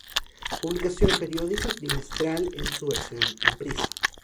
Publicación periódica, trimestral, en su versión impresa.